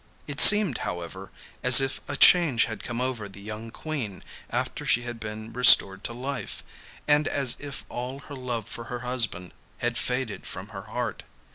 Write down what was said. It seemed, however, as if a change had come over the young Queen after she had been restored to life, and as if all her love for her husband had faded from her heart.